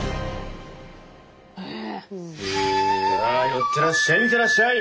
さあ寄ってらっしゃい！